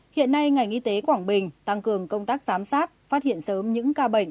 hiện nay ngành y tế quảng bình tăng cường công tác giám sát phát hiện sớm những ca bệnh